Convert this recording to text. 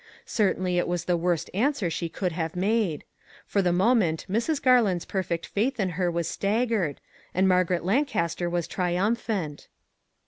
Certainly it was the worst answer she could have made. For the moment Mrs. Garland's perfect faith in her was staggered, and Margaret Lancaster was triumphant.